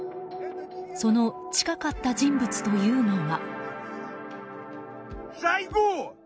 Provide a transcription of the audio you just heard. その近かった人物というのが。